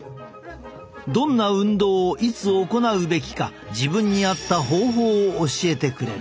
どんな運動をいつ行うべきか自分にあった方法を教えてくれる。